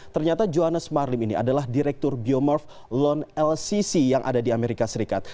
ternyata johannes marlim ini adalah direktur biomorph loan lcc yang ada di amerika serikat